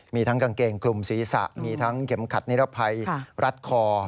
มีทั้งกางเกงคลุมศีรษะมีทั้งเข็มขัดนิรภัยรัดคอ